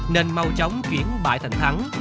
nên mau chóng chuyển bại thành thắng